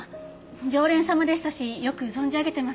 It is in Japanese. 常連さまでしたしよく存じ上げてます。